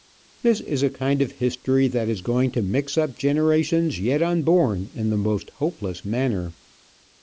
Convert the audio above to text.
This is a kind of history that is going to mix up generations yet unborn in the most hopeless manner.